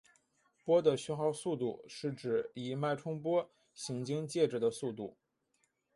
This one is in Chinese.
波的讯号速度是指一脉冲波行经介质的速度。